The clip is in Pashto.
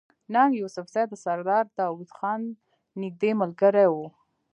ننګ يوسفزۍ د سردار داود خان نزدې ملګری وو